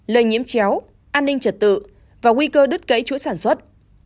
lây nhiễm chéo an ninh trật tự và nguy cơ đứt gãy chuỗi sản xuất